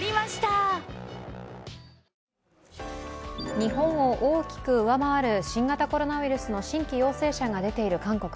日本を大きく上回る新型コロナウイルスの新規陽性者が出ている韓国。